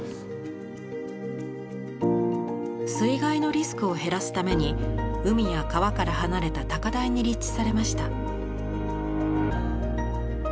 水害のリスクを減らすために海や川から離れた高台に立地されました。